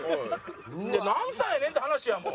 で何歳やねんって話やんもう。